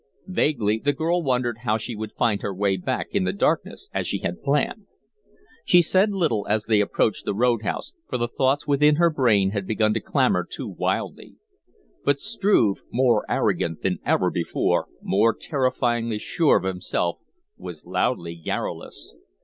Vaguely the girl wondered how she would find her way back in the darkness, as she had planned. She said little as they approached the road house, for the thoughts within her brain had begun to clamor too wildly; but Struve, more arrogant than ever before, more terrifyingly sure of himself, was loudly garrulous.